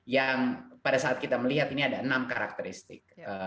yang pada saat kita melihat ini ada enam karakteristik